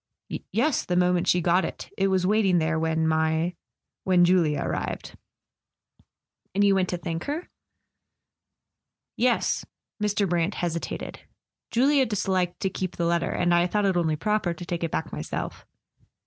"Yes; the moment she got it. It was waiting there when my—when Julia arrived." "And you went to thank her?" "Yes." Mr. Brant hesitated. "Julia disliked to keep the letter. And I thought it only proper to take it back myself."